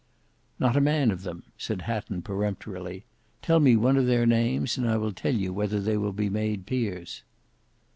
"Not a man of them," said Hatton peremptorily. "Tell me one of their names, and I will tell you whether they will be made peers."